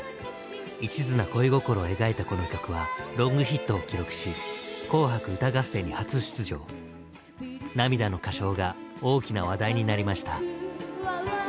いちずな恋心を描いたこの曲はロングヒットを記録し涙の歌唱が大きな話題になりました。